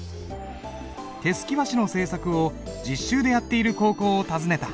手漉き和紙の製作を実習でやっている高校を訪ねた。